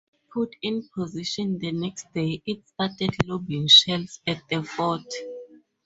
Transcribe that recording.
Put in position the next day, it started lobbing shells at the fort.